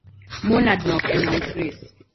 Monadnock and Mount Grace.